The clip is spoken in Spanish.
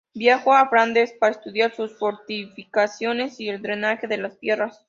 Viajó a Flandes para estudiar sus fortificaciones y el drenaje de las tierras.